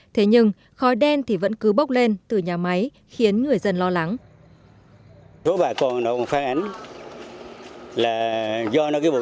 thế nhưng khói đen thì vẫn cứ bốc lên từ nhà máy khiến người dân lo lắng